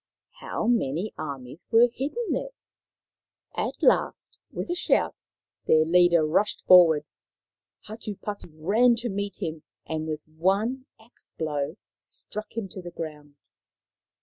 How many armies were hidden there ? i2o Maoriland Fairy Tales At last, with a shout, their leader rushed for ward. Hatupatu ran to meet him, and with one axe blow struck him to the ground.